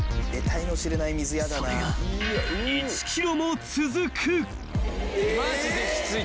［それが１ｋｍも続く］えっ？